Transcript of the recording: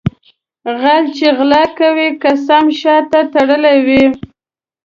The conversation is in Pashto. غل چې غلا کوي قسم یې شاته تړلی وي.